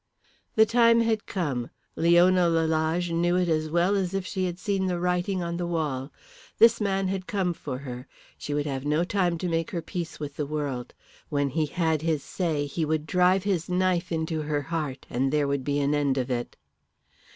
The time had come. Leona Lalage knew it as well as if she had seen the writing on the wall. This man had come for her; she would have no time to make her peace with the world. When he had his say he would drive his knife into her heart, and there would be an end of it.